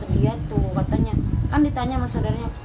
dia tuh katanya kan ditanya sama saudaranya